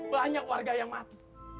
banyak warga yang mati